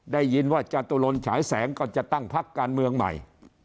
ได้ยินว่าจตุรนฉายแสงก็จะตั้งพักการเมืองใหม่